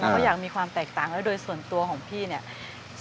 ก็อยากมีความแตกต่างแล้วโดยส่วนตัวของพี่เนี่ย